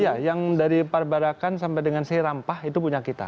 ya yang dari parbarakan sampai dengan seir rampah itu punya kita